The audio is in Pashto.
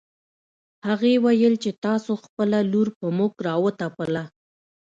هغې ويل چې تاسو خپله لور په موږ راوتپله